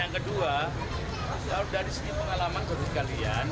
kedua dari segi pengalaman dari kalian